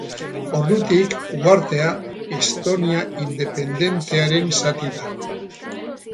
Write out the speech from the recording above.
Ordutik, uhartea, Estonia independentearen zati da.